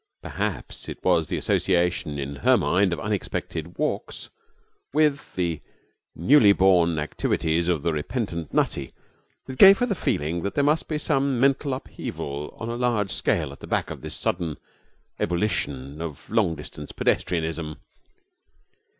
Perhaps it was the association in her mind of unexpected walks with the newly born activities of the repentant Nutty that gave her the feeling that there must be some mental upheaval on a large scale at the back of this sudden ebullition of long distance pedestrianism.